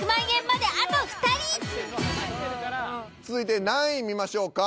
続いて何位見ましょうか？